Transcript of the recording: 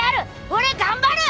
俺頑張る！